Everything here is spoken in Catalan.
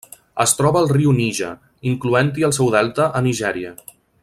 Es troba al riu Níger, incloent-hi el seu delta a Nigèria.